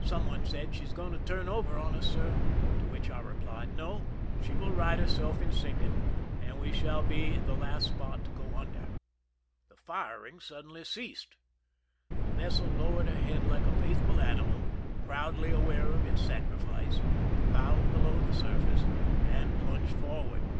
Some one said :" She is going to turn over on us, sir," to which I replied :" No ; she will right herself in sink ing, and we shall be the last spot to go under." The firing suddenly ceased. The vessel lowered her head like a faithful animal, proudly aware of its sacrifice, bowed below the surface, and plunged forward.